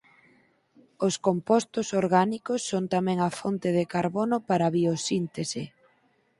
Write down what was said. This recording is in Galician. Os compostos orgánicos son tamén a fonte de carbono para a biosíntese.